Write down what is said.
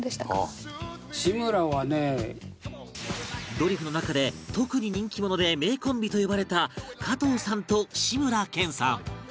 ドリフの中で特に人気者で名コンビと呼ばれた加藤さんと志村けんさん